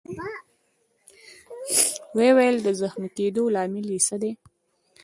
ويې ویل: د زخمي کېدو لامل يې څه دی؟